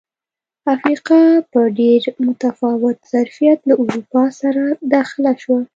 افریقا په ډېر متفاوت ظرفیت له اروپا سره داخله شوه.